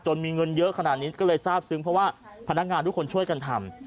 มีเงินเยอะขนาดนี้ก็เลยทราบซึ้งเพราะว่าพนักงานทุกคนช่วยกันทำ